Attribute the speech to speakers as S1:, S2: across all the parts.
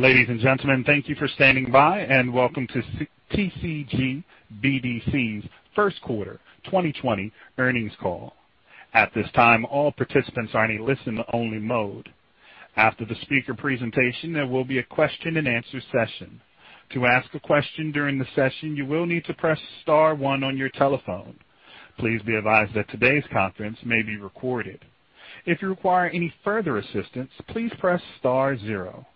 S1: Ladies and gentlemen, thank you for standing by, and welcome to TCG BDC's first quarter 2020 earnings call. At this time, all participants are in a listen-only mode. After the speaker presentation, there will be a question and answer session. To ask a question during the session, you will need to press star one on your telephone. Please be advised that today's conference may be recorded. If you require any further assistance, please press star zero.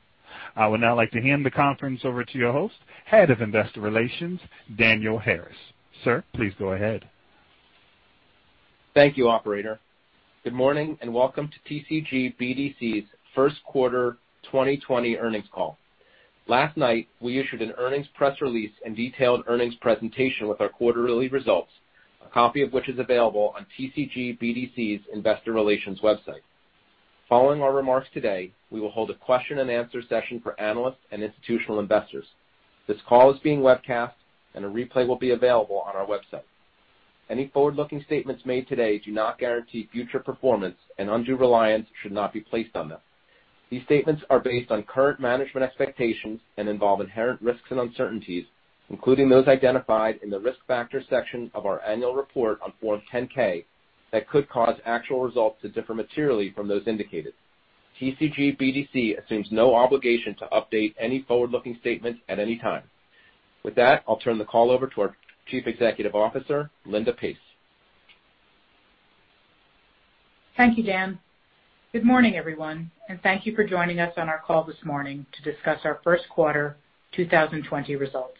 S1: I would now like to hand the conference over to your host, Head of Investor Relations, Daniel Harris. Sir, please go ahead.
S2: Thank you, operator. Good morning and welcome to TCG BDC's first quarter 2020 earnings call. Last night, we issued an earnings press release and detailed earnings presentation with our quarterly results, a copy of which is available on TCG BDC's investor relations website. Following our remarks today, we will hold a question and answer session for analysts and institutional investors. This call is being webcast, and a replay will be available on our website. Any forward-looking statements made today do not guarantee future performance and undue reliance should not be placed on them. These statements are based on current management expectations and involve inherent risks and uncertainties, including those identified in the risk factors section of our annual report on Form 10-K, that could cause actual results to differ materially from those indicated. TCG BDC assumes no obligation to update any forward-looking statements at any time. With that, I'll turn the call over to our Chief Executive Officer, Linda Pace.
S3: Thank you, Dan. Good morning, everyone, and thank you for joining us on our call this morning to discuss our first quarter 2020 results.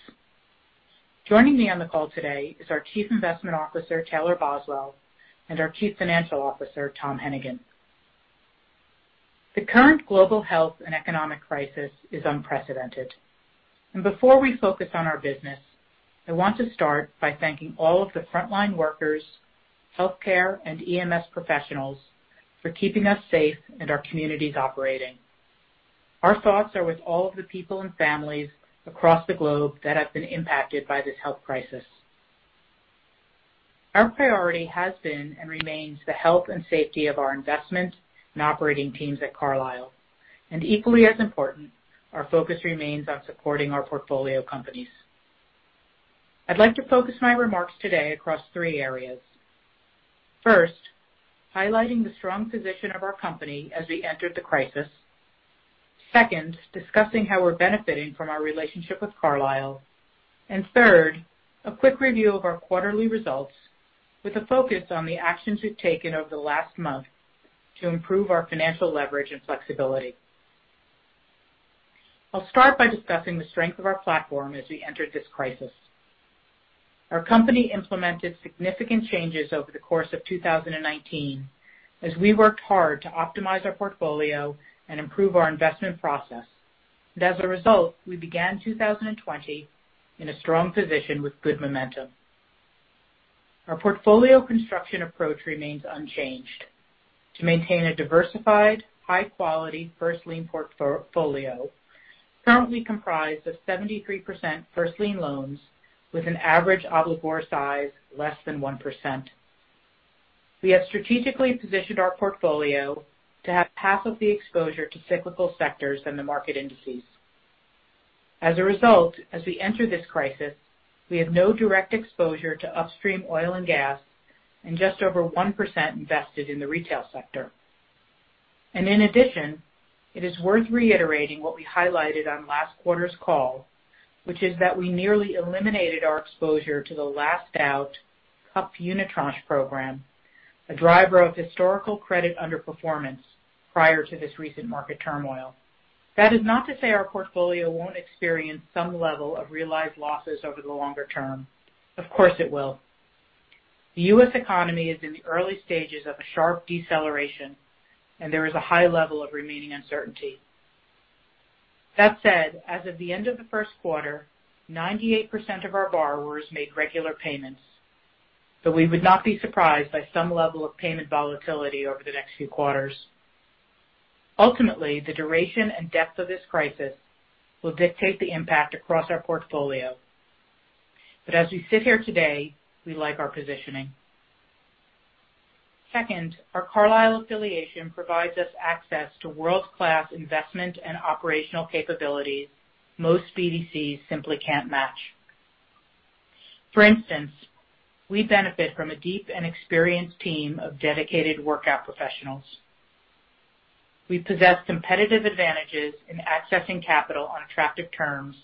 S3: Joining me on the call today is our Chief Investment Officer, Taylor Boswell, and our Chief Financial Officer, Tom Hennigan. The current global health and economic crisis is unprecedented. Before we focus on our business, I want to start by thanking all of the frontline workers, healthcare, and EMS professionals for keeping us safe and our communities operating. Our thoughts are with all of the people and families across the globe that have been impacted by this health crisis. Our priority has been and remains the health and safety of our investment and operating teams at Carlyle. Equally as important, our focus remains on supporting our portfolio companies. I'd like to focus my remarks today across three areas. First, highlighting the strong position of our company as we entered the crisis. Second, discussing how we're benefiting from our relationship with Carlyle. Third, a quick review of our quarterly results with a focus on the actions we've taken over the last month to improve our financial leverage and flexibility. I'll start by discussing the strength of our platform as we entered this crisis. Our company implemented significant changes over the course of 2019 as we worked hard to optimize our portfolio and improve our investment process. As a result, we began 2020 in a strong position with good momentum. Our portfolio construction approach remains unchanged. To maintain a diversified, high-quality first lien portfolio currently comprised of 73% first lien loans with an average obligor size less than 1%. We have strategically positioned our portfolio to have half of the exposure to cyclical sectors in the market indices. As we enter this crisis, we have no direct exposure to upstream oil and gas and just over 1% invested in the retail sector. In addition, it is worth reiterating what we highlighted on last quarter's call, which is that we nearly eliminated our exposure to the last out Carlyle Unitranche Program, a driver of historical credit underperformance prior to this recent market turmoil. That is not to say our portfolio won't experience some level of realized losses over the longer term. Of course, it will. The U.S. economy is in the early stages of a sharp deceleration, and there is a high level of remaining uncertainty. That said, as of the end of the first quarter, 98% of our borrowers made regular payments. We would not be surprised by some level of payment volatility over the next few quarters. Ultimately, the duration and depth of this crisis will dictate the impact across our portfolio. As we sit here today, we like our positioning. Second, our Carlyle affiliation provides us access to world-class investment and operational capabilities most BDCs simply can't match. For instance, we benefit from a deep and experienced team of dedicated workout professionals. We possess competitive advantages in accessing capital on attractive terms,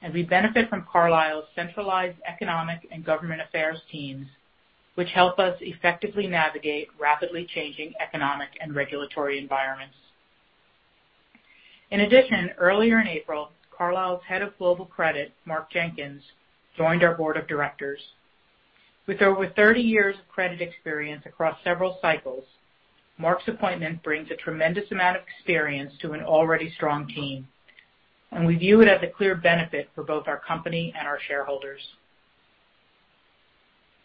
S3: and we benefit from Carlyle's centralized economic and government affairs teams, which help us effectively navigate rapidly changing economic and regulatory environments. In addition, earlier in April, Carlyle's Head of Global Credit, Mark Jenkins, joined our board of directors. With over 30 years of credit experience across several cycles, Mark's appointment brings a tremendous amount of experience to an already strong team, and we view it as a clear benefit for both our company and our shareholders.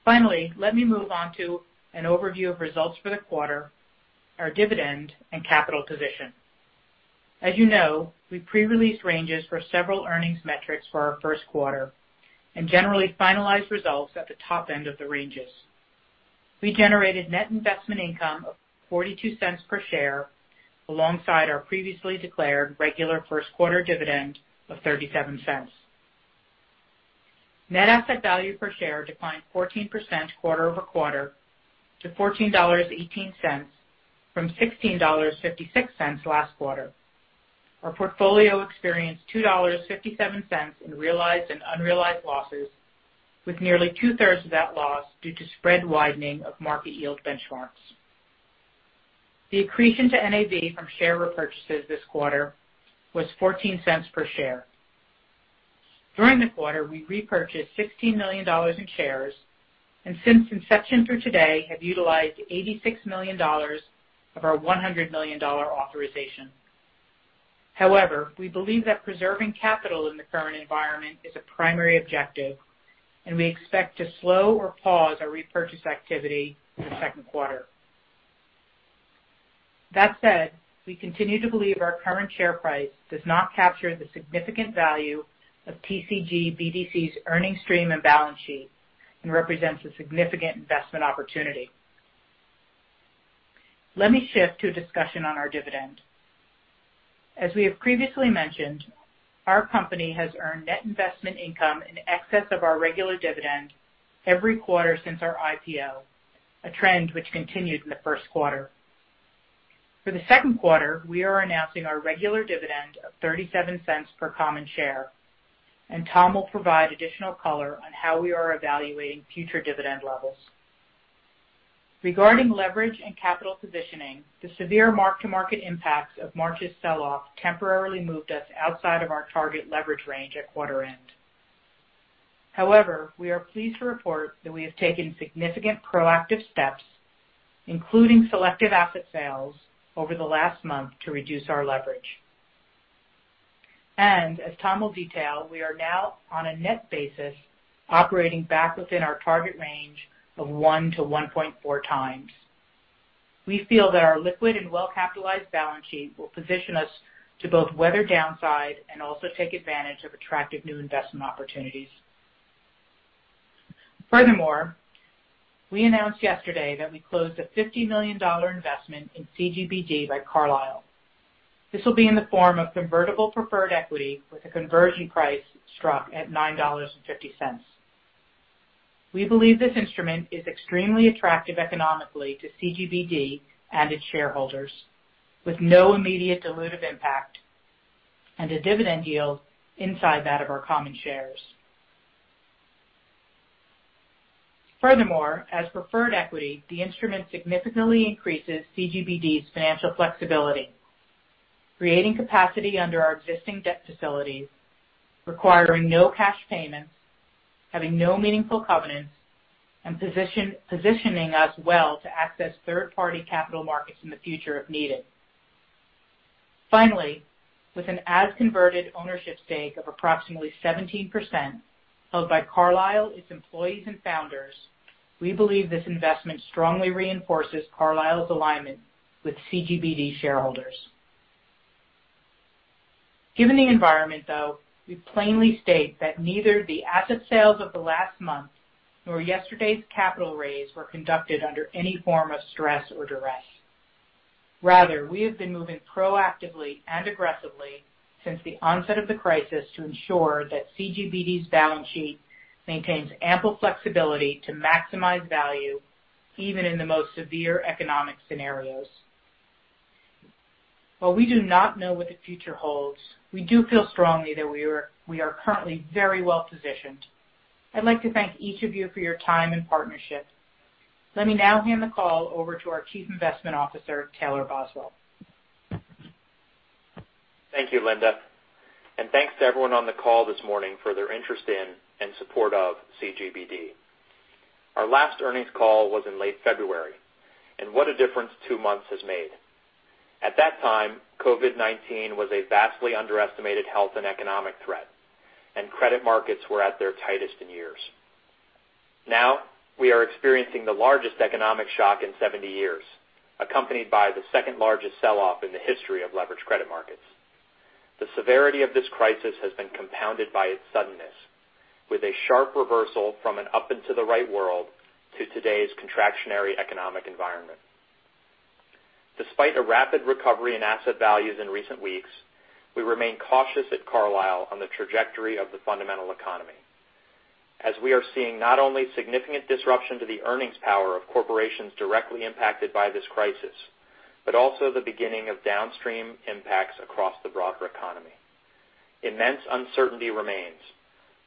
S3: Finally, let me move on to an overview of results for the quarter, our dividend, and capital position. As you know, we pre-released ranges for several earnings metrics for our first quarter and generally finalized results at the top end of the ranges. We generated net investment income of $0.42 per share alongside our previously declared regular first quarter dividend of $0.37. Net asset value per share declined 14% quarter-over-quarter to $14.18 from $16.56 last quarter. Our portfolio experienced $2.57 in realized and unrealized losses with nearly two-thirds of that loss due to spread widening of market yield benchmarks. The accretion to NAV from share repurchases this quarter was $0.14 per share. During the quarter, we repurchased $16 million in shares, and since inception through today, have utilized $86 million of our $100 million authorization. However, we believe that preserving capital in the current environment is a primary objective, and we expect to slow or pause our repurchase activity in the second quarter. We continue to believe our current share price does not capture the significant value of TCG BDC's earnings stream and balance sheet and represents a significant investment opportunity. Let me shift to a discussion on our dividend. As we have previously mentioned, our company has earned net investment income in excess of our regular dividend every quarter since our IPO, a trend which continued in the first quarter. For the second quarter, we are announcing our regular dividend of $0.37 per common share, and Tom will provide additional color on how we are evaluating future dividend levels. Regarding leverage and capital positioning, the severe mark-to-market impacts of March's sell-off temporarily moved us outside of our target leverage range at quarter end. However, we are pleased to report that we have taken significant proactive steps, including selective asset sales, over the last month to reduce our leverage. As Tom will detail, we are now on a net basis operating back within our target range of 1-1.4 times. We feel that our liquid and well-capitalized balance sheet will position us to both weather downside and also take advantage of attractive new investment opportunities. Furthermore, we announced yesterday that we closed a $50 million investment in CGBD by Carlyle. This will be in the form of convertible preferred equity with a conversion price struck at $9.50. We believe this instrument is extremely attractive economically to CGBD and its shareholders, with no immediate dilutive impact and a dividend yield inside that of our common shares. Furthermore, as preferred equity, the instrument significantly increases CGBD's financial flexibility, creating capacity under our existing debt facilities, requiring no cash payments, having no meaningful covenants, and positioning us well to access third-party capital markets in the future if needed. Finally, with an as-converted ownership stake of approximately 17% held by Carlyle, its employees and founders, we believe this investment strongly reinforces Carlyle's alignment with CGBD shareholders. Given the environment, though, we plainly state that neither the asset sales of the last month nor yesterday's capital raise were conducted under any form of stress or duress. We have been moving proactively and aggressively since the onset of the crisis to ensure that CGBD's balance sheet maintains ample flexibility to maximize value, even in the most severe economic scenarios. While we do not know what the future holds, we do feel strongly that we are currently very well-positioned. I'd like to thank each of you for your time and partnership. Let me now hand the call over to our Chief Investment Officer, Taylor Boswell.
S4: Thank you, Linda, and thanks to everyone on the call this morning for their interest in and support of CGBD. Our last earnings call was in late February, and what a difference two months has made. At that time, COVID-19 was a vastly underestimated health and economic threat, and credit markets were at their tightest in years. Now, we are experiencing the largest economic shock in 70 years, accompanied by the second-largest sell-off in the history of leverage credit markets. The severity of this crisis has been compounded by its suddenness, with a sharp reversal from an up and to the right world to today's contractionary economic environment. Despite a rapid recovery in asset values in recent weeks, we remain cautious at Carlyle on the trajectory of the fundamental economy, as we are seeing not only significant disruption to the earnings power of corporations directly impacted by this crisis, but also the beginning of downstream impacts across the broader economy. Immense uncertainty remains,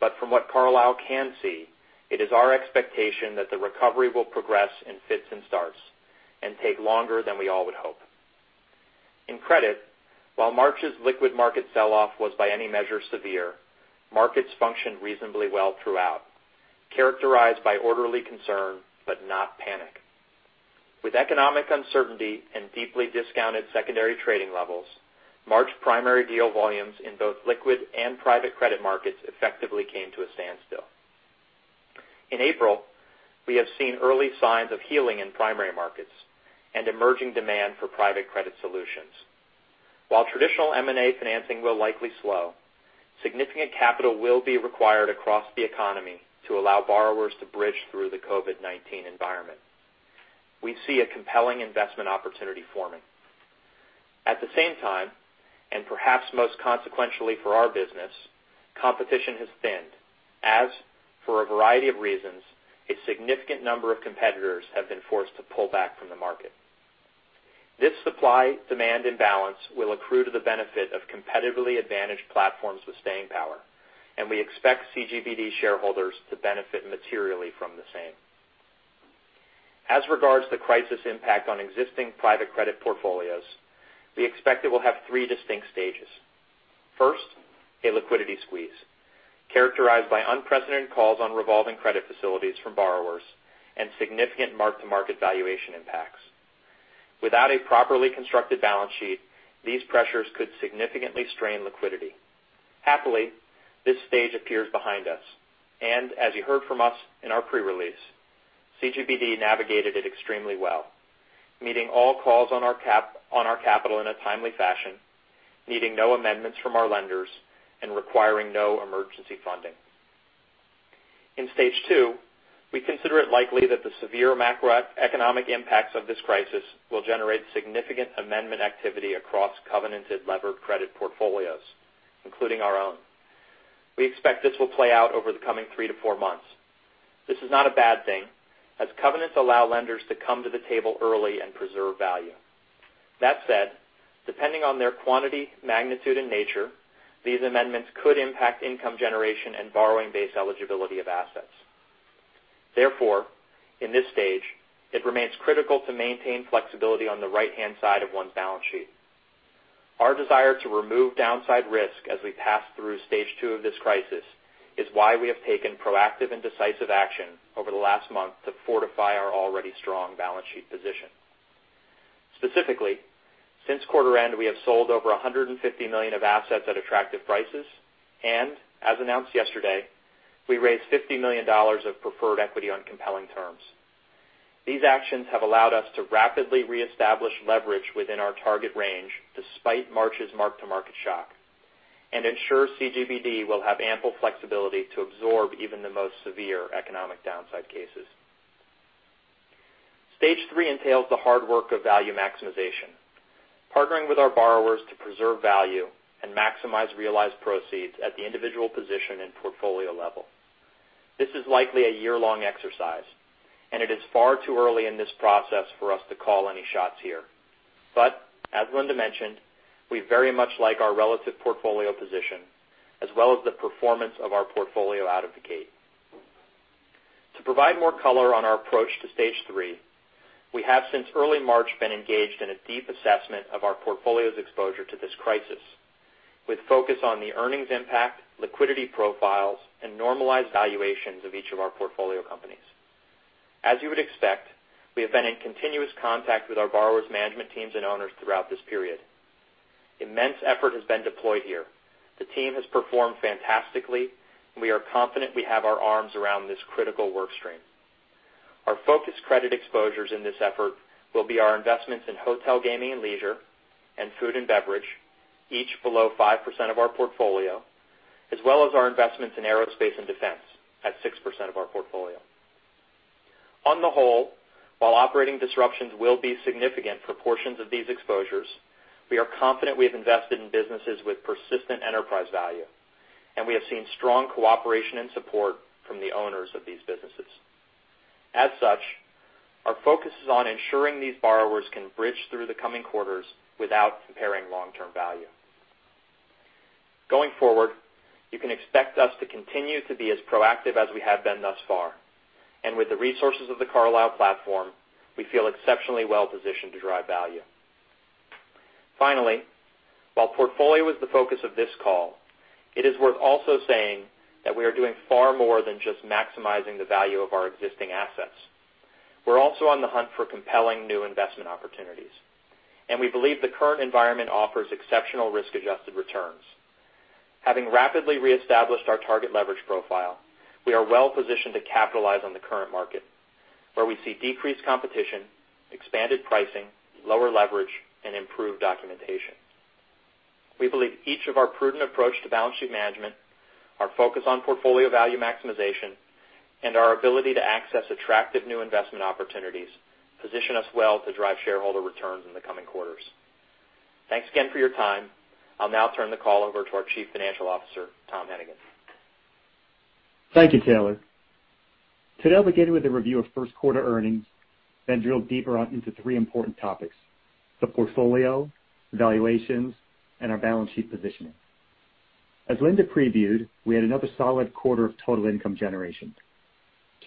S4: but from what Carlyle can see, it is our expectation that the recovery will progress in fits and starts and take longer than we all would hope. In credit, while March's liquid market sell-off was by any measure severe, markets functioned reasonably well throughout, characterized by orderly concern but not panic. With economic uncertainty and deeply discounted secondary trading levels, March primary deal volumes in both liquid and private credit markets effectively came to a standstill. In April, we have seen early signs of healing in primary markets and emerging demand for private credit solutions. While traditional M&A financing will likely slow, significant capital will be required across the economy to allow borrowers to bridge through the COVID-19 environment. We see a compelling investment opportunity forming. At the same time, and perhaps most consequentially for our business, competition has thinned, as for a variety of reasons, a significant number of competitors have been forced to pull back from the market. This supply-demand imbalance will accrue to the benefit of competitively advantaged platforms with staying power, and we expect CGBD shareholders to benefit materially from the same. As regards the crisis impact on existing private credit portfolios, we expect it will have 3 distinct stages. First, a liquidity squeeze, characterized by unprecedented calls on revolving credit facilities from borrowers and significant mark-to-market valuation impacts. Without a properly constructed balance sheet, these pressures could significantly strain liquidity. Happily, this stage appears behind us and as you heard from us in our pre-release, CGBD navigated it extremely well, meeting all calls on our capital in a timely fashion, needing no amendments from our lenders, and requiring no emergency funding. In stage 2, we consider it likely that the severe macroeconomic impacts of this crisis will generate significant amendment activity across covenanted levered credit portfolios, including our own. We expect this will play out over the coming three to four months. This is not a bad thing, as covenants allow lenders to come to the table early and preserve value. That said, depending on their quantity, magnitude, and nature, these amendments could impact income generation and borrowing base eligibility of assets. Therefore, in this stage, it remains critical to maintain flexibility on the right-hand side of one's balance sheet. Our desire to remove downside risk as we pass through stage 2 of this crisis is why we have taken proactive and decisive action over the last month to fortify our already strong balance sheet position. Specifically, since quarter end, we have sold over $150 million of assets at attractive prices, and as announced yesterday, we raised $50 million of preferred equity on compelling terms. These actions have allowed us to rapidly reestablish leverage within our target range, despite March's mark-to-market shock, and ensure CGBD will have ample flexibility to absorb even the most severe economic downside cases. Stage 3 entails the hard work of value maximization, partnering with our borrowers to preserve value and maximize realized proceeds at the individual position and portfolio level. This is likely a year-long exercise, and it is far too early in this process for us to call any shots here. As Linda mentioned, we very much like our relative portfolio position as well as the performance of our portfolio out of the gate. To provide more color on our approach to stage 3, we have since early March been engaged in a deep assessment of our portfolio's exposure to this crisis, with focus on the earnings impact, liquidity profiles, and normalized valuations of each of our portfolio companies. As you would expect, we have been in continuous contact with our borrowers' management teams and owners throughout this period. Immense effort has been deployed here. The team has performed fantastically, and we are confident we have our arms around this critical work stream. Our focus credit exposures in this effort will be our investments in hotel gaming and leisure and food and beverage, each below 5% of our portfolio, as well as our investments in aerospace and defense at 6% of our portfolio. On the whole, while operating disruptions will be significant proportions of these exposures, we are confident we have invested in businesses with persistent enterprise value, and we have seen strong cooperation and support from the owners of these businesses. As such, our focus is on ensuring these borrowers can bridge through the coming quarters without impairing long-term value. Going forward, you can expect us to continue to be as proactive as we have been thus far. With the resources of the Carlyle platform, we feel exceptionally well positioned to drive value. Finally, while portfolio was the focus of this call, it is worth also saying that we are doing far more than just maximizing the value of our existing assets. We're also on the hunt for compelling new investment opportunities, and we believe the current environment offers exceptional risk-adjusted returns. Having rapidly reestablished our target leverage profile, we are well positioned to capitalize on the current market, where we see decreased competition, expanded pricing, lower leverage, and improved documentation. We believe each of our prudent approach to balance sheet management, our focus on portfolio value maximization, and our ability to access attractive new investment opportunities position us well to drive shareholder returns in the coming quarters. Thanks again for your time. I'll now turn the call over to our Chief Financial Officer, Tom Hennigan.
S5: Thank you, Taylor. Today, we'll begin with a review of first quarter earnings. Drill deeper into three important topics: the portfolio, valuations, and our balance sheet positioning. As Linda previewed, we had another solid quarter of total income generation.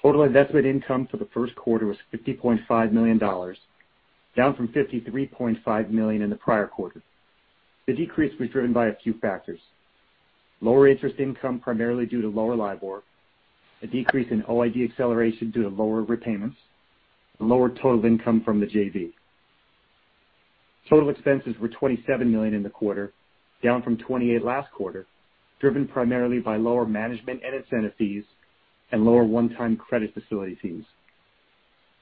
S5: Total investment income for the first quarter was $50.5 million, down from $53.5 million in the prior quarter. The decrease was driven by a few factors. Lower interest income, primarily due to lower LIBOR, a decrease in OID acceleration due to lower repayments, and lower total income from the JV. Total expenses were $27 million in the quarter, down from $28 million last quarter, driven primarily by lower management and incentive fees and lower one-time credit facility fees.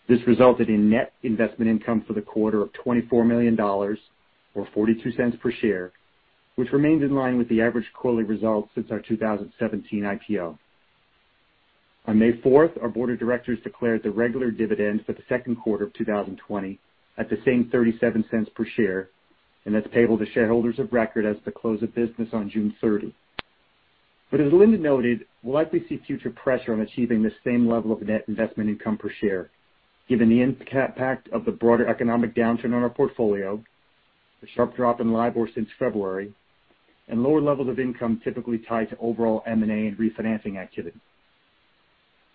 S5: This resulted in net investment income for the quarter of $24 million, or $0.42 per share, which remains in line with the average quarterly results since our 2017 IPO. On May 4th, our board of directors declared the regular dividend for the second quarter of 2020 at the same $0.37 per share, and that's payable to shareholders of record as the close of business on June 30. As Linda noted, we'll likely see future pressure on achieving the same level of net investment income per share given the impact of the broader economic downturn on our portfolio, the sharp drop in LIBOR since February, and lower levels of income typically tied to overall M&A and refinancing activity.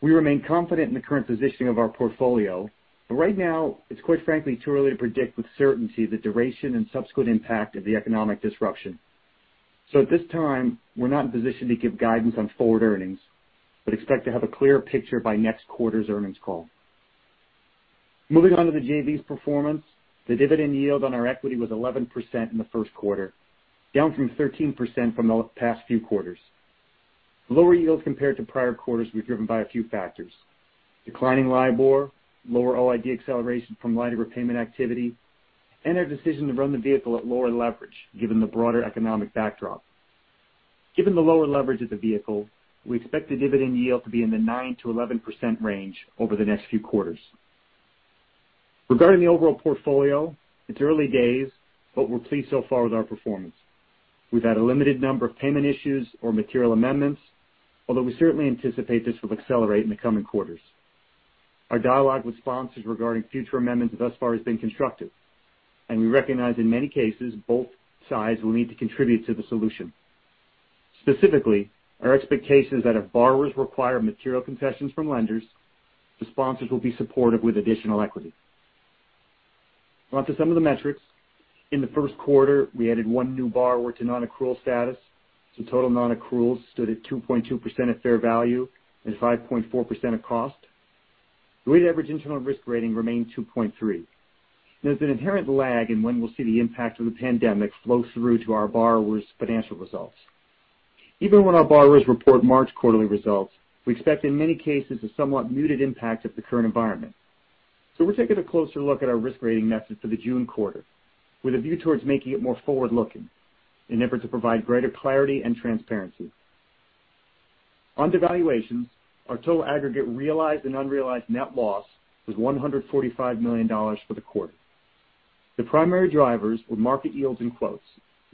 S5: We remain confident in the current positioning of our portfolio, but right now it's quite frankly too early to predict with certainty the duration and subsequent impact of the economic disruption. At this time, we're not in position to give guidance on forward earnings, but expect to have a clearer picture by next quarter's earnings call. Moving on to the JV's performance. The dividend yield on our equity was 11% in the first quarter, down from 13% from the past few quarters. Lower yields compared to prior quarters were driven by a few factors: declining LIBOR, lower OID acceleration from light repayment activity, and our decision to run the vehicle at lower leverage given the broader economic backdrop. Given the lower leverage of the vehicle, we expect the dividend yield to be in the 9%-11% range over the next few quarters. Regarding the overall portfolio, it's early days, but we're pleased so far with our performance. We've had a limited number of payment issues or material amendments, although we certainly anticipate this will accelerate in the coming quarters. Our dialogue with sponsors regarding future amendments thus far has been constructive, and we recognize in many cases, both sides will need to contribute to the solution. Specifically, our expectation is that if borrowers require material concessions from lenders, the sponsors will be supportive with additional equity. On to some of the metrics. In the first quarter, we added one new borrower to non-accrual status, so total non-accruals stood at 2.2% of fair value and 5.4% of cost. The weighted average internal risk rating remained 2.3. There's an inherent lag in when we'll see the impact of the pandemic flow through to our borrowers' financial results. Even when our borrowers report March quarterly results, we expect in many cases a somewhat muted impact of the current environment. We're taking a closer look at our risk rating method for the June quarter with a view towards making it more forward-looking in an effort to provide greater clarity and transparency. On devaluations, our total aggregate realized and unrealized net loss was $145 million for the quarter. The primary drivers were market yields and quotes.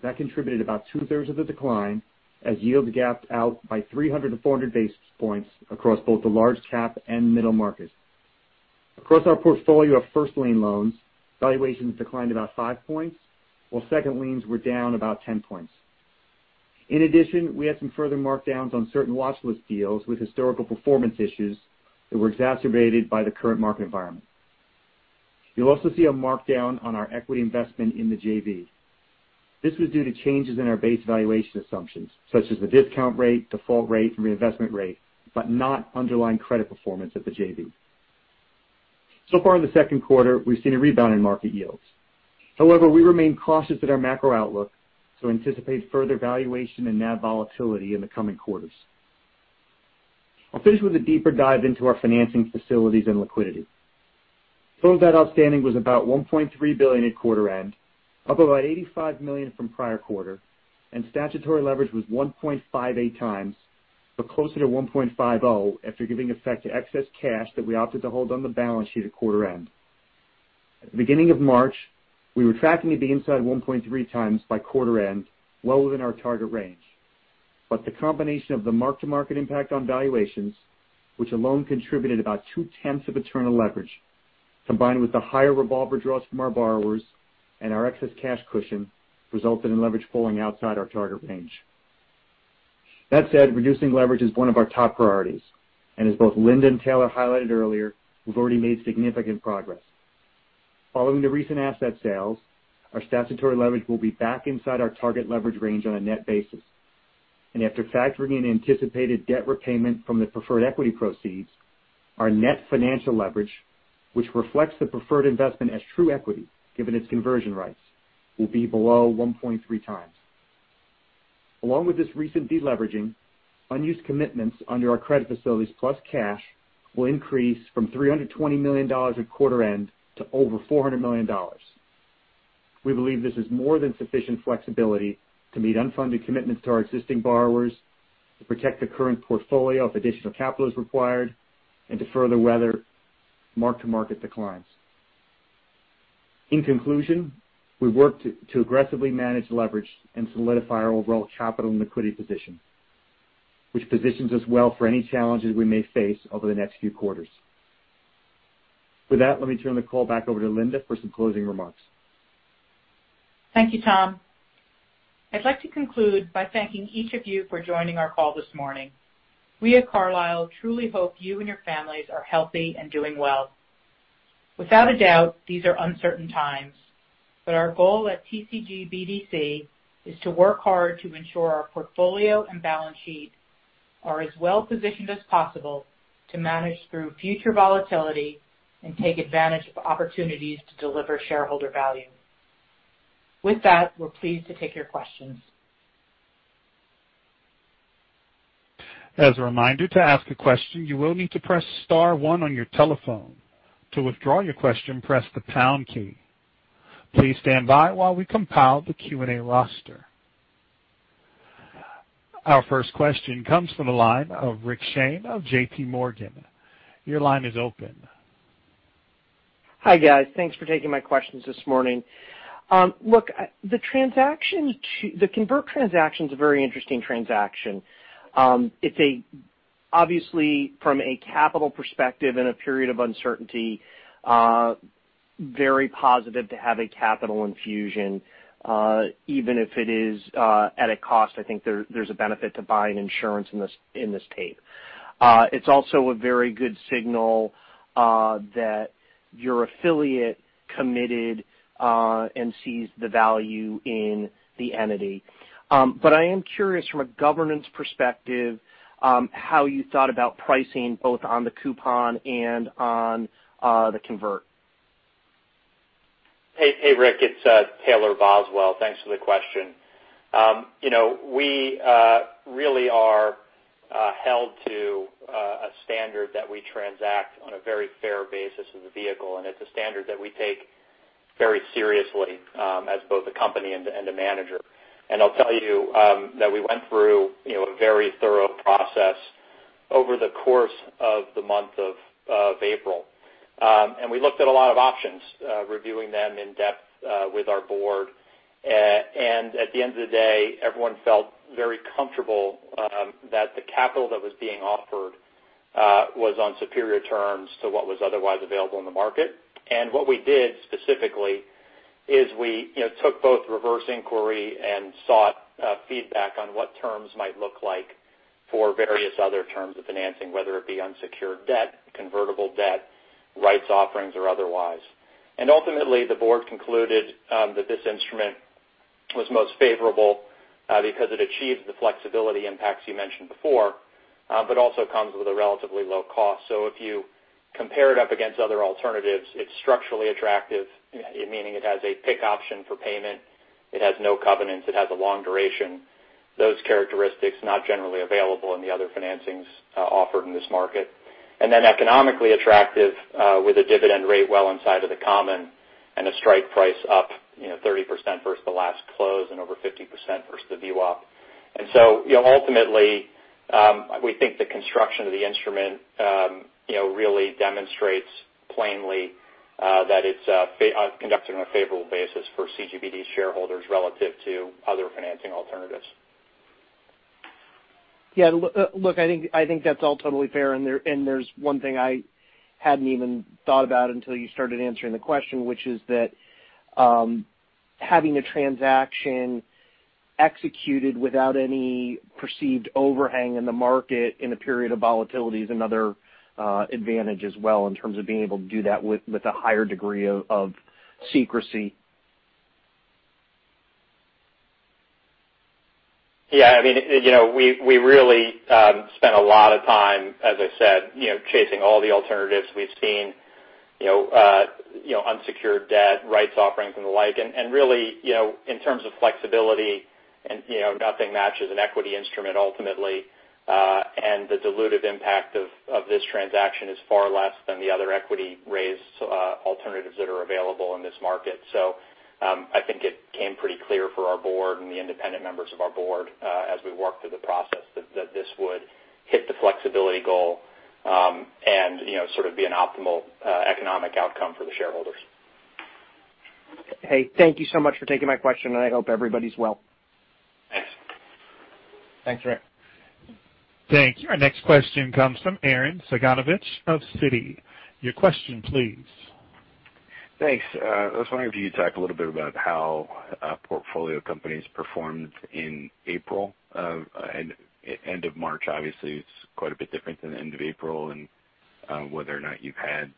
S5: That contributed about two-thirds of the decline as yields gapped out by 300-400 basis points across both the large cap and middle market. Across our portfolio of first lien loans, valuations declined about five points, while second liens were down about 10 points. In addition, we had some further markdowns on certain watch list deals with historical performance issues that were exacerbated by the current market environment. You'll also see a markdown on our equity investment in the JV. This was due to changes in our base valuation assumptions, such as the discount rate, default rate, and reinvestment rate, but not underlying credit performance at the JV. Far in the second quarter, we've seen a rebound in market yields. However, we remain cautious in our macro outlook, so anticipate further valuation and NAV volatility in the coming quarters. I'll finish with a deeper dive into our financing facilities and liquidity. Total debt outstanding was about $1.3 billion at quarter end, up about $85 million from prior quarter, and statutory leverage was 1.58x, but closer to 1.50x after giving effect to excess cash that we opted to hold on the balance sheet at quarter end. At the beginning of March, we were tracking to be inside 1.3x by quarter end, well within our target range. The combination of the mark-to-market impact on valuations, which alone contributed about two-tenths of a turn of leverage, combined with the higher revolver draws from our borrowers and our excess cash cushion, resulted in leverage falling outside our target range. That said, reducing leverage is one of our top priorities, and as both Linda and Taylor highlighted earlier, we've already made significant progress. Following the recent asset sales, our statutory leverage will be back inside our target leverage range on a net basis. After factoring in anticipated debt repayment from the preferred equity proceeds, our net financial leverage, which reflects the preferred investment as true equity given its conversion rights, will be below 1.3 times. Along with this recent de-leveraging, unused commitments under our credit facilities plus cash will increase from $320 million at quarter end to over $400 million. We believe this is more than sufficient flexibility to meet unfunded commitments to our existing borrowers, to protect the current portfolio if additional capital is required, and to further weather mark-to-market declines. In conclusion, we've worked to aggressively manage leverage and solidify our overall capital and liquidity position, which positions us well for any challenges we may face over the next few quarters. With that, let me turn the call back over to Linda for some closing remarks.
S3: Thank you, Tom. I'd like to conclude by thanking each of you for joining our call this morning. We at Carlyle truly hope you and your families are healthy and doing well. Without a doubt, these are uncertain times, but our goal at TCG BDC is to work hard to ensure our portfolio and balance sheet are as well positioned as possible to manage through future volatility and take advantage of opportunities to deliver shareholder value. With that, we're pleased to take your questions.
S1: As a reminder, to ask a question, you will need to press star one on your telephone. To withdraw your question, press the pound key. Please stand by while we compile the Q&A roster. Our first question comes from the line of Rick Shane of JPMorgan. Your line is open.
S6: Hi, guys. Thanks for taking my questions this morning. Look, the convert transaction is a very interesting transaction. Obviously, from a capital perspective in a period of uncertainty, very positive to have a capital infusion even if it is at a cost. I think there's a benefit to buying insurance in this tape. It's also a very good signal that your affiliate committed and sees the value in the entity. I am curious from a governance perspective, how you thought about pricing both on the coupon and on the convert.
S4: Hey, Rick, it's Taylor Boswell. Thanks for the question. We really are held to a standard that we transact on a very fair basis as a vehicle, and it's a standard that we take very seriously as both a company and a manager. I'll tell you that we went through a very thorough process over the course of the month of April. We looked at a lot of options, reviewing them in depth with our board. At the end of the day, everyone felt very comfortable that the capital that was being offered was on superior terms to what was otherwise available in the market. What we did specifically is we took both reverse inquiry and sought feedback on what terms might look like for various other terms of financing, whether it be unsecured debt, convertible debt, rights offerings or otherwise. Ultimately, the board concluded that this instrument was most favorable because it achieved the flexibility impacts you mentioned before but also comes with a relatively low cost. If you compare it up against other alternatives, it's structurally attractive, meaning it has a PIK option for payment, it has no covenants, it has a long duration. Those characteristics not generally available in the other financings offered in this market. Then economically attractive with a dividend rate well inside of the common and a strike price up 30% versus the last close and over 50% versus the VWAP. Ultimately, we think the construction of the instrument really demonstrates plainly that it's conducted on a favorable basis for CGBD shareholders relative to other financing alternatives.
S6: Yeah. Look, I think that's all totally fair. There's one thing I hadn't even thought about until you started answering the question, which is that having a transaction executed without any perceived overhang in the market in a period of volatility is another advantage as well in terms of being able to do that with a higher degree of secrecy.
S4: Yeah. We really spent a lot of time, as I said, chasing all the alternatives we've seen, unsecured debt, rights offerings and the like. Really in terms of flexibility and nothing matches an equity instrument ultimately. The dilutive impact of this transaction is far less than the other equity raise alternatives that are available in this market. I think it became pretty clear for our board and the independent members of our board as we worked through the process that this would hit the flexibility goal and sort of be an optimal economic outcome for the shareholders.
S6: Hey, thank you so much for taking my question, and I hope everybody's well.
S4: Thanks.
S1: Thanks, Rick. Thank you. Our next question comes from Arren Cyganovich of Citi. Your question, please.
S7: Thanks. I was wondering if you could talk a little bit about how portfolio companies performed in April. End of March, obviously, is quite a bit different than the end of April, and whether or not you've had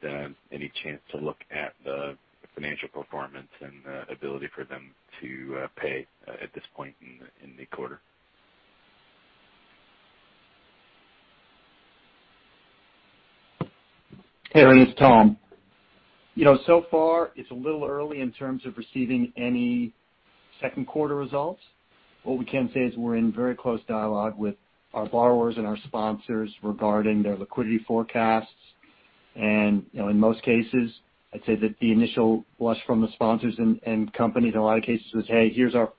S7: any chance to look at the financial performance and the ability for them to pay at this point in the quarter.
S5: Arren, it's Tom. Far it's a little early in terms of receiving any second quarter results. What we can say is we're in very close dialogue with our borrowers and our sponsors regarding their liquidity forecasts. In most cases, I'd say that the initial blush from the sponsors and companies in a lot of cases was, "Hey, here's our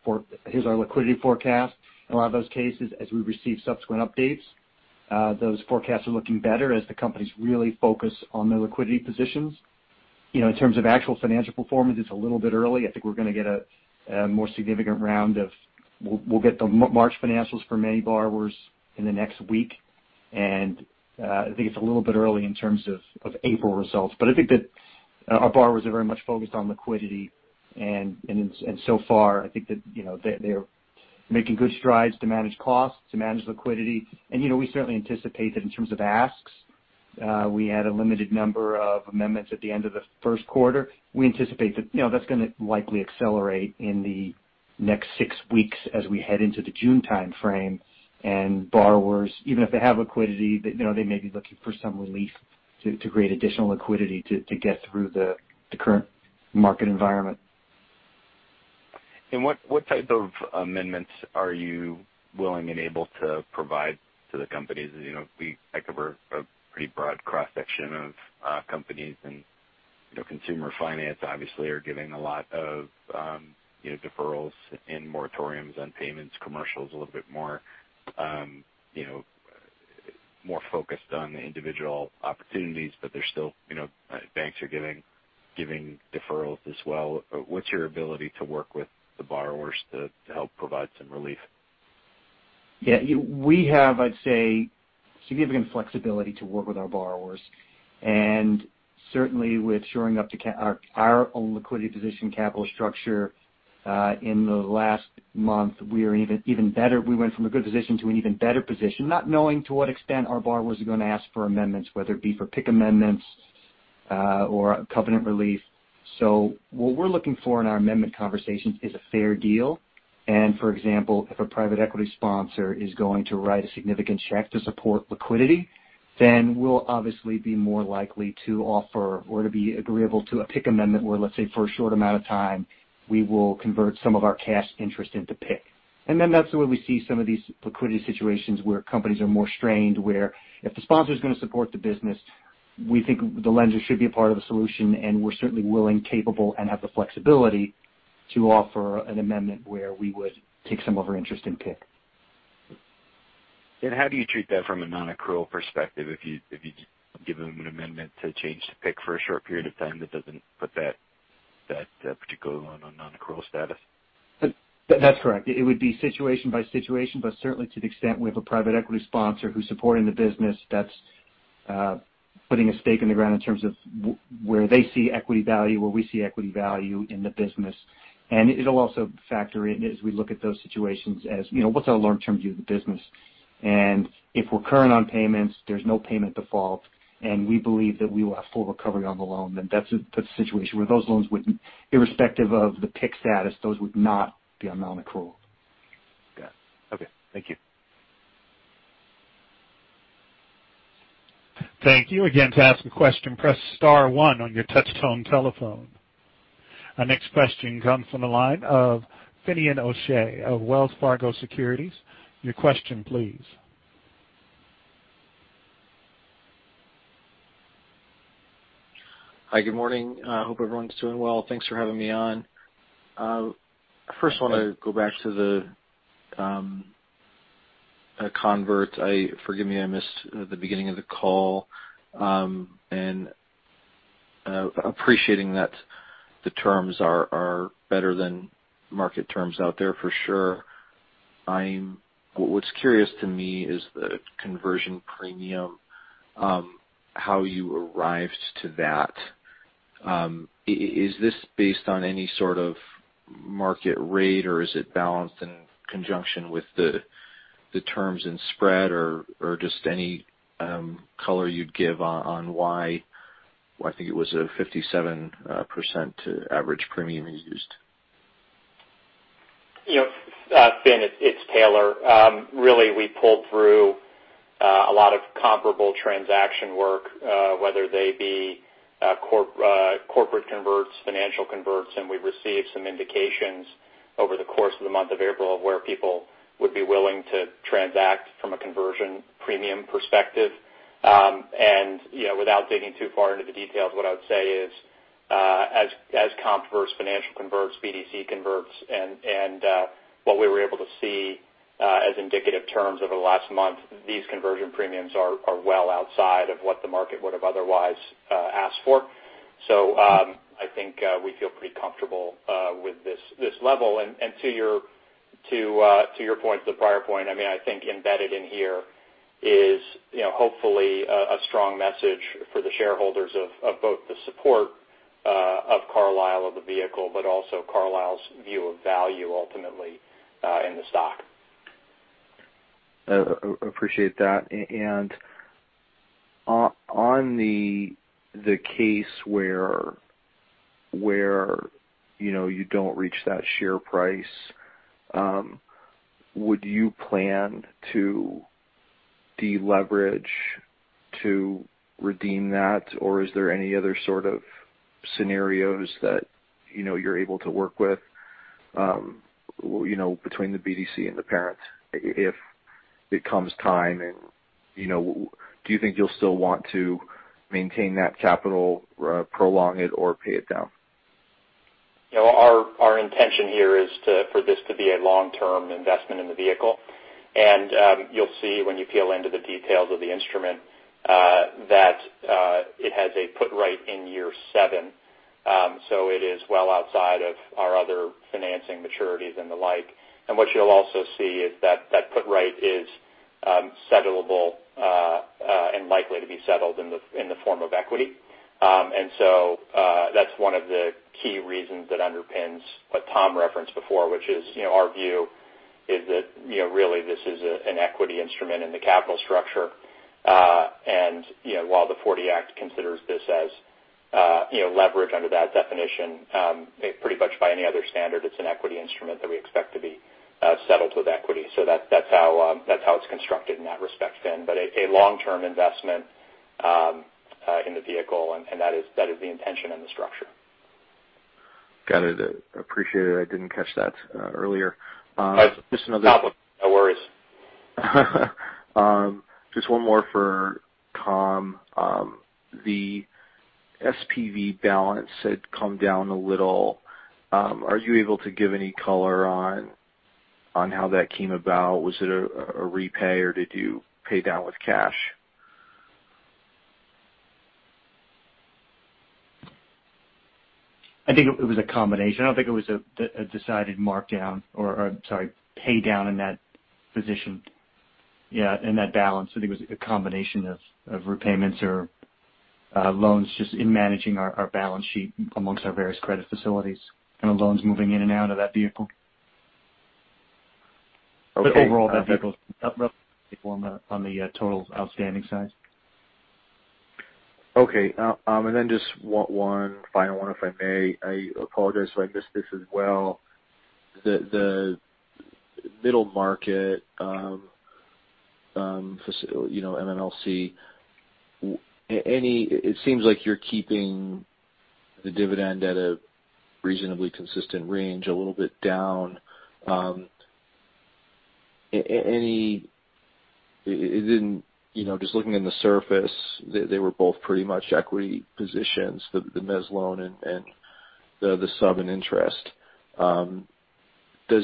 S5: liquidity forecast." In a lot of those cases, as we receive subsequent updates, those forecasts are looking better as the companies really focus on their liquidity positions. In terms of actual financial performance, it's a little bit early. I think we're going to get a more significant round of we'll get the March financials for many borrowers in the next week. I think it's a little bit early in terms of April results. I think that our borrowers are very much focused on liquidity. So far I think that they're making good strides to manage costs, to manage liquidity. We certainly anticipate that in terms of asks, we had a limited number of amendments at the end of the first quarter. We anticipate that's going to likely accelerate in the next six weeks as we head into the June timeframe. Borrowers, even if they have liquidity, they may be looking for some relief to create additional liquidity to get through the current market environment.
S7: What type of amendments are you willing and able to provide to the companies? We cover a pretty broad cross-section of companies and consumer finance obviously are giving a lot of deferrals and moratoriums on payments. Commercial is a little bit more focused on the individual opportunities, banks are giving deferrals as well. What's your ability to work with the borrowers to help provide some relief?
S5: We have, I'd say, significant flexibility to work with our borrowers, and certainly with shoring up our own liquidity position capital structure. In the last month we are even better. We went from a good position to an even better position, not knowing to what extent our borrowers are going to ask for amendments, whether it be for PIK amendments or covenant relief. What we're looking for in our amendment conversations is a fair deal. For example, if a private equity sponsor is going to write a significant check to support liquidity, then we'll obviously be more likely to offer or to be agreeable to a PIK amendment where, let's say, for a short amount of time, we will convert some of our cash interest into PIK. That's where we see some of these liquidity situations where companies are more strained, where if the sponsor's going to support the business, we think the lender should be a part of the solution. We're certainly willing, capable, and have the flexibility to offer an amendment where we would take some of our interest in PIK.
S7: How do you treat that from a non-accrual perspective? If you give them an amendment to change the PIK for a short period of time, that doesn't put that particular loan on non-accrual status.
S5: That's correct. It would be situation by situation, but certainly to the extent we have a private equity sponsor who's supporting the business, that's putting a stake in the ground in terms of where they see equity value, where we see equity value in the business. It'll also factor in as we look at those situations, as what's our long-term view of the business? If we're current on payments, there's no payment default, and we believe that we will have full recovery on the loan, then that's a situation where those loans would, irrespective of the PIK status, those would not be on non-accrual.
S7: Got it. Okay. Thank you.
S1: Thank you. To ask a question, press star one on your touchtone telephone. Our next question comes from the line of Finian O'Shea of Wells Fargo Securities. Your question please.
S8: Hi. Good morning. I hope everyone's doing well. Thanks for having me on. I first want to go back to the convert. Forgive me, I missed the beginning of the call. Appreciating that the terms are better than market terms out there for sure. What's curious to me is the conversion premium, how you arrived to that. Is this based on any sort of market rate, or is it balanced in conjunction with the terms in spread or just any color you'd give on why I think it was a 57% average premium you used.
S4: Finn, it's Taylor. Really, we pulled through a lot of comparable transaction work, whether they be corporate converts, financial converts, and we've received some indications over the course of the month of April of where people would be willing to transact from a conversion premium perspective. Without digging too far into the details, what I would say is as comp converts, financial converts, BDC converts, and what we were able to see as indicative terms over the last month, these conversion premiums are well outside of what the market would have otherwise asked for. I think we feel pretty comfortable with this level. To your point, the prior point, I think embedded in here is hopefully a strong message for the shareholders of both the support of Carlyle of the vehicle, but also Carlyle's view of value ultimately in the stock.
S8: Appreciate that. On the case where you don't reach that share price, would you plan to deleverage to redeem that? Is there any other sort of scenarios that you're able to work with between the BDC and the parent if it comes time? Do you think you'll still want to maintain that capital, prolong it, or pay it down?
S4: Our intention here is for this to be a long-term investment in the vehicle. You'll see when you peel into the details of the instrument, that it has a put right in year seven. It is well outside of our other financing maturities and the like. What you'll also see is that put right is settleable and likely to be settled in the form of equity. That's one of the key reasons that underpins what Tom referenced before, which is our view is that really this is an equity instrument in the capital structure. While the 40 Act considers this as leverage under that definition, pretty much by any other standard, it's an equity instrument that we expect to be settled with equity. That's how it's constructed in that respect, Finn. A long-term investment in the vehicle, and that is the intention and the structure.
S8: Got it. Appreciate it. I didn't catch that earlier.
S4: No problem. No worries.
S8: Just one more for Tom. The SPV balance had come down a little. Are you able to give any color on how that came about? Was it a repay or did you pay down with cash?
S5: I think it was a combination. I don't think it was a decided markdown or, sorry, pay down in that position. Yeah, in that balance, I think it was a combination of repayments or loans just in managing our balance sheet amongst our various credit facilities, kind of loans moving in and out of that vehicle.
S8: Okay.
S5: overall, that vehicle on the total outstanding side.
S8: Okay. Then just one final one, if I may. I apologize if I missed this as well. The middle market, MMLC. It seems like you're keeping the dividend at a reasonably consistent range, a little bit down. Just looking at the surface, they were both pretty much equity positions, the mezz loan and the sub interest. I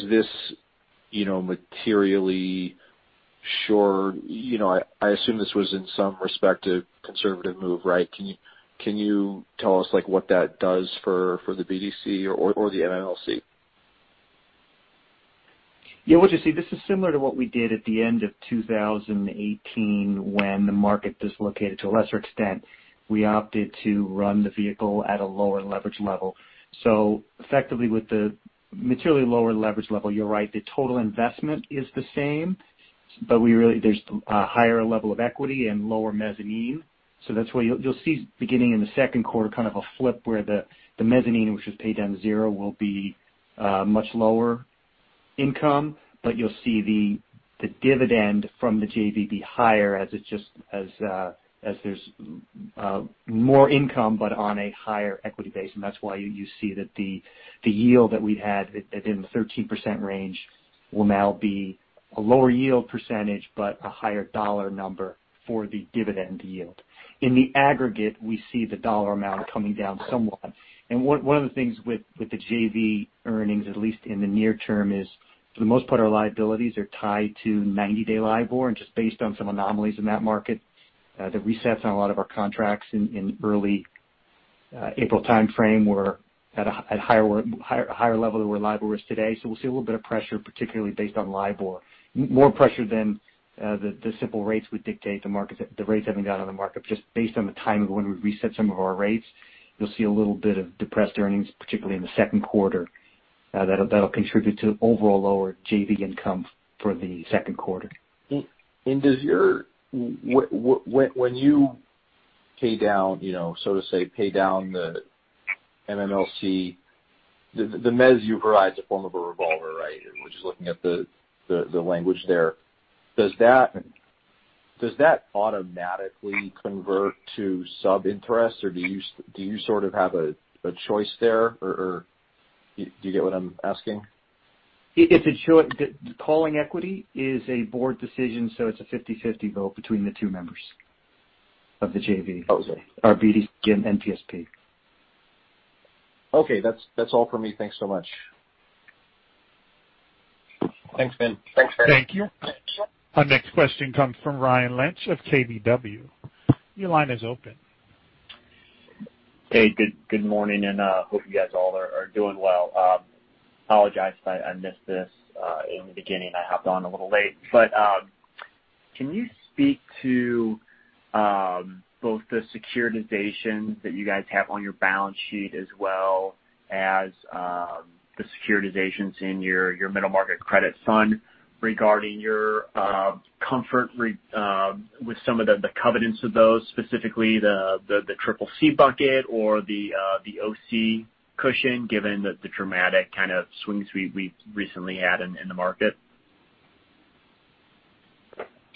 S8: assume this was in some respective conservative move, right? Can you tell us what that does for the BDC or the MMLC?
S5: What you see, this is similar to what we did at the end of 2018 when the market dislocated to a lesser extent. We opted to run the vehicle at a lower leverage level. Effectively, with the materially lower leverage level, you're right, the total investment is the same. There's a higher level of equity and lower mezzanine. That's why you'll see, beginning in the second quarter, kind of a flip where the mezzanine, which was paid down to 0, will be much lower income. You'll see the dividend from the JV be higher as there's more income but on a higher equity base. That's why you see that the yield that we had within the 13% range will now be a lower yield percentage but a higher dollar number for the dividend yield. In the aggregate, we see the dollar amount coming down somewhat. One of the things with the JV earnings, at least in the near term, is for the most part, our liabilities are tied to 90-day LIBOR. Just based on some anomalies in that market, the resets on a lot of our contracts in early April timeframe were at a higher level than where LIBOR is today. We'll see a little bit of pressure, particularly based on LIBOR. More pressure than the simple rates would dictate the rates having gone on the market. Just based on the timing of when we reset some of our rates, you'll see a little bit of depressed earnings, particularly in the second quarter. That'll contribute to overall lower JV income for the second quarter.
S8: When you pay down, so to say, pay down the MMLC, the mezz you provide is a form of a revolver, right? Just looking at the language there. Does that automatically convert to sub-interest or do you sort of have a choice there? Do you get what I'm asking?
S5: Calling equity is a board decision, so it's a 50/50 vote between the two members of the JV.
S8: Oh, okay.
S5: Our BDC and NPSP.
S8: Okay. That's all for me. Thanks so much.
S4: Thanks, Finn. Thanks, Eric.
S1: Thank you. Our next question comes from Ryan Lynch of KBW. Your line is open.
S9: Hey, good morning. Hope you guys all are doing well. Apologize if I missed this in the beginning. I hopped on a little late. Can you speak to both the securitizations that you guys have on your balance sheet as well as the securitizations in your middle market credit fund regarding your comfort with some of the covenants of those, specifically the CCC bucket or the OC cushion, given the dramatic kind of swings we've recently had in the market?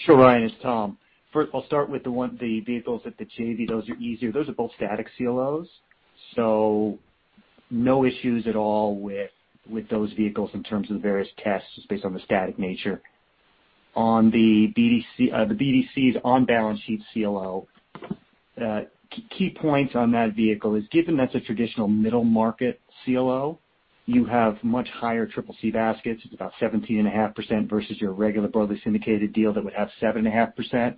S5: Ryan, it's Tom. I'll start with the vehicles at the JV. Those are easier. Those are both static CLOs, no issues at all with those vehicles in terms of the various tests, just based on the static nature. On the BDC's on-balance sheet CLO. Key points on that vehicle is given that's a traditional middle market CLO, you have much higher triple C baskets. It's about 17.5% versus your regular broadly syndicated deal that would have 7.5%.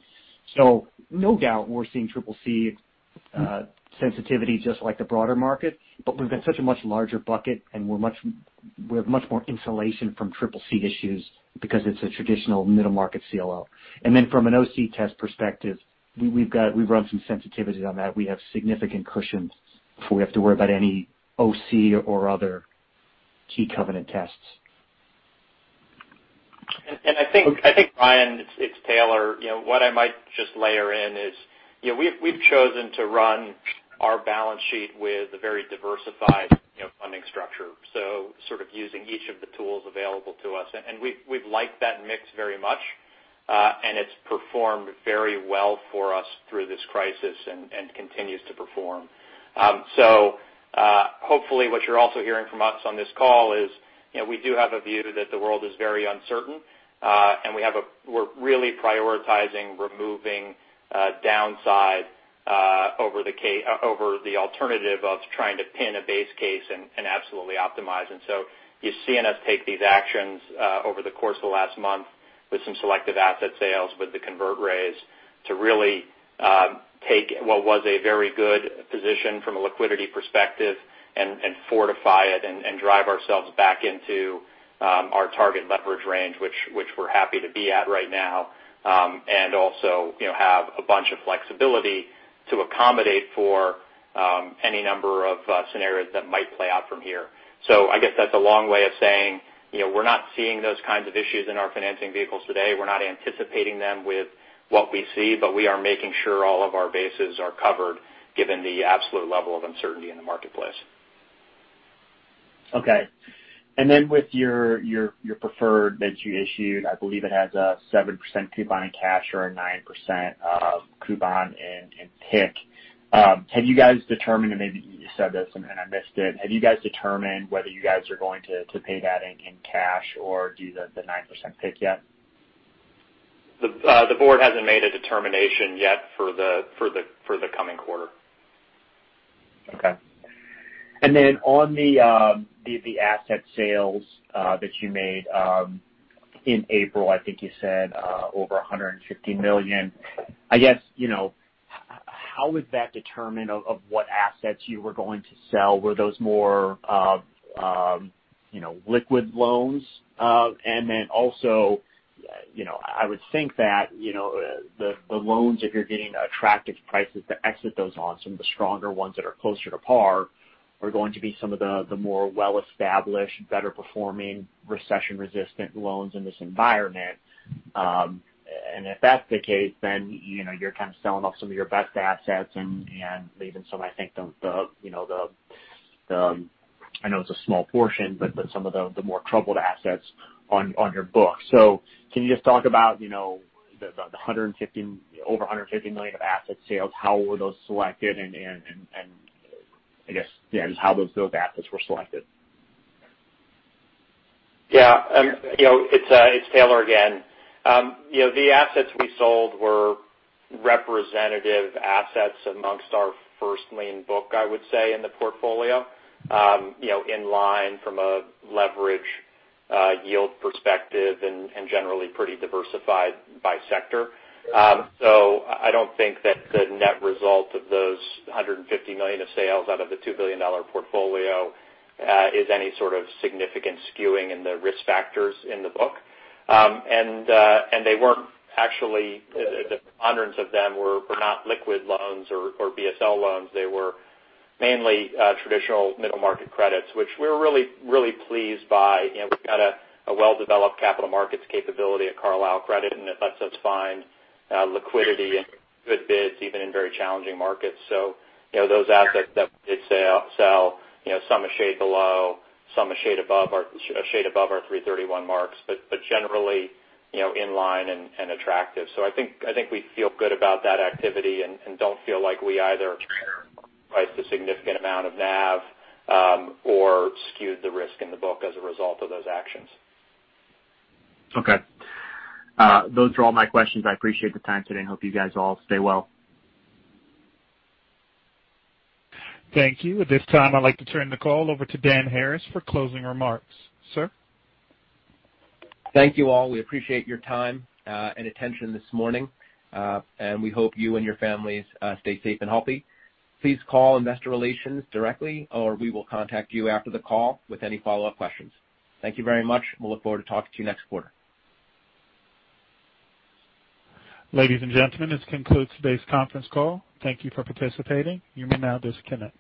S5: No doubt we're seeing triple C sensitivity just like the broader market. We've got such a much larger bucket, and we have much more insulation from triple C issues because it's a traditional middle market CLO. From an OC test perspective, we've run some sensitivities on that. We have significant cushions before we have to worry about any OC or other key covenant tests.
S4: I think, Ryan, it's Taylor. What I might just layer in is we've chosen to run our balance sheet with a very diversified funding structure, so sort of using each of the tools available to us. We've liked that mix very much, and it's performed very well for us through this crisis and continues to perform. Hopefully, what you're also hearing from us on this call is, we do have a view that the world is very uncertain, and we're really prioritizing removing downside over the alternative of trying to pin a base case and absolutely optimize. You're seeing us take these actions over the course of the last month with some selective asset sales, with the convert raise to really take what was a very good position from a liquidity perspective and fortify it and drive ourselves back into our target leverage range, which we're happy to be at right now. Also have a bunch of flexibility to accommodate for any number of scenarios that might play out from here. I guess that's a long way of saying, we're not seeing those kinds of issues in our financing vehicles today. We're not anticipating them with what we see, but we are making sure all of our bases are covered given the absolute level of uncertainty in the marketplace.
S9: Okay. With your preferred that you issued, I believe it has a 7% coupon in cash or a 9% coupon in PIK. Have you guys determined, and maybe you said this and I missed it, have you guys determined whether you guys are going to pay that in cash or do the 9% PIK yet?
S4: The board hasn't made a determination yet for the coming quarter.
S9: Okay. On the asset sales that you made in April, I think you said over $150 million. I guess, how was that determined of what assets you were going to sell? Were those more liquid loans? Also, I would think that the loans, if you're getting attractive prices to exit those on, some of the stronger ones that are closer to par are going to be some of the more well-established, better performing, recession-resistant loans in this environment. If that's the case, then you're kind of selling off some of your best assets and leaving some, I think, I know it's a small portion, but some of the more troubled assets on your books. Can you just talk about the over $150 million of asset sales, how were those selected, and I guess, yeah, just how those assets were selected?
S4: It's Taylor again. The assets we sold were representative assets amongst our first lien book, I would say, in the portfolio. In line from a leverage yield perspective and generally pretty diversified by sector. I don't think that the net result of those $150 million of sales out of the $2 billion portfolio is any sort of significant skewing in the risk factors in the book. They weren't actually, the preponderance of them were not liquid loans or BSL loans. They were mainly traditional middle market credits, which we're really pleased by. We've got a well-developed capital markets capability at Carlyle Credit, and it lets us find liquidity and good bids even in very challenging markets. Those assets that we did sell, some a shade below, some a shade above our 331 marks, but generally, in line and attractive. I think we feel good about that activity and don't feel like we either price a significant amount of NAV or skewed the risk in the book as a result of those actions.
S9: Okay. Those are all my questions. I appreciate the time today and hope you guys all stay well.
S1: Thank you. At this time, I'd like to turn the call over to Dan Harris for closing remarks. Sir?
S2: Thank you, all. We appreciate your time and attention this morning. We hope you and your families stay safe and healthy. Please call investor relations directly, or we will contact you after the call with any follow-up questions. Thank you very much. We look forward to talking to you next quarter.
S1: Ladies and gentlemen, this concludes today's conference call. Thank you for participating. You may now disconnect.